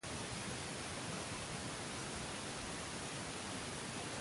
Se le dio el mando al capitán de fragata Manuel Thomson.